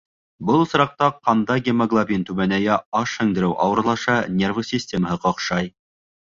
Был осраҡта ҡанда гемоглобин түбәнәйә, аш һеңдереү ауырлаша, нервы системаһы ҡаҡшай.